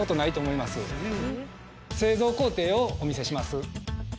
製造工程をお見せします